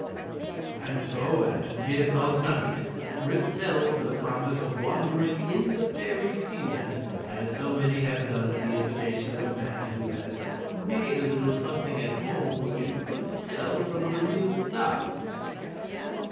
And so at mid of night Rip fell for the promise of wandering "in the fairy season," as so many have done at the invitation of a man who has "made a little something at home which you couldn't tell from the real stuff."